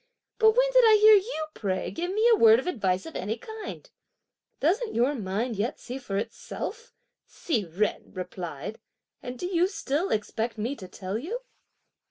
But when did I hear you, pray, give me a word of advice of any kind?" "Doesn't your mind yet see for itself?" Hsi Jen replied; "and do you still expect me to tell you?"